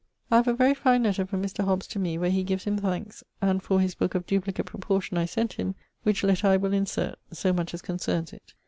_> I have a very fine letter from Mr. Hobbes to me where he gives him thanks and for his booke of Duplicate Proportion I sent him, which letter I will insert (so much as concerns it).